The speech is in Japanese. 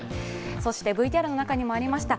そしてＶＴＲにもありました、